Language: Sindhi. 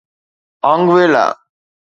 آنگويلا